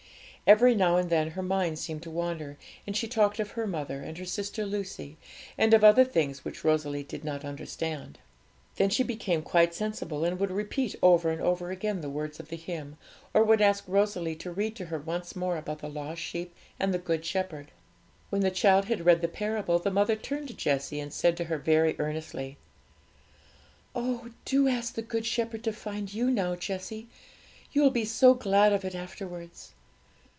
Every now and then her mind seemed to wander, and she talked of her mother and her sister Lucy, and of other things which Rosalie did not understand. Then she became quite sensible, and would repeat over and over again the words of the hymn, or would ask Rosalie to read to her once more about the lost sheep and the Good Shepherd. When the child had read the parable, the mother turned to Jessie, and said to her, very earnestly 'Oh, do ask the Good Shepherd to find you now, Jessie; you'll be so glad of it afterwards.'